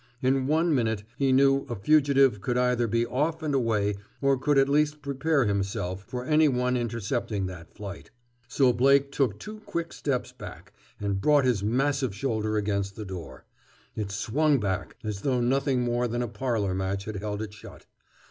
In one minute, he knew, a fugitive could either be off and away, or could at least prepare himself for any one intercepting that flight. So Blake took two quick steps back, and brought his massive shoulder against the door. It swung back, as though nothing more than a parlor match had held it shut.